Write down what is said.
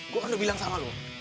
gue udah bilang sama lu